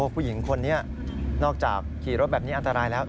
ผู้หญิงคนนี้นอกจากขี่รถแบบนี้อันตรายแล้ว